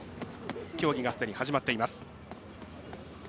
競技がすでに始まっています。